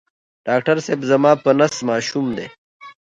ډاکټر صېب زما په نس ماشوم دی